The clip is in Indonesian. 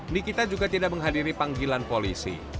nikita juga tidak menghadiri panggilan polisi